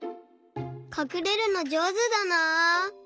かくれるのじょうずだな。